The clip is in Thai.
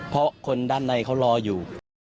เพราะคนด้านในเขารออยู่